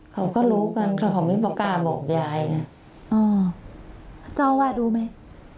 เขาก็รู้กันแต่เขาไม่กล้าบอกยายน่ะอ๋อเจ้าว่าดูไหม